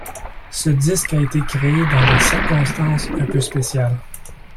Ce disque a été créé dans des circonstances un peu spéciales.